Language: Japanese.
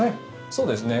そうですね。